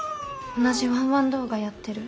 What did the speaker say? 同じワンワン動画やってる。